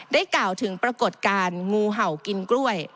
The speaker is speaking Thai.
กล่าวถึงปรากฏการณ์งูเห่ากินกล้วย